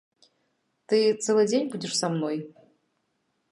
Ты цэлы дзень будзеш са мной?